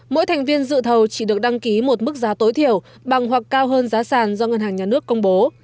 mỗi thành viên dự thầu chỉ được đăng ký một mức giá tối thiểu bằng hoặc cao hơn giá sàn do ngân hàng nhà nước công bố